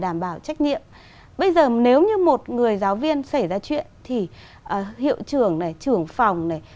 đảm bảo trách nhiệm bây giờ nếu như một người giáo viên xảy ra chuyện thì hiệu trưởng này trưởng phòng này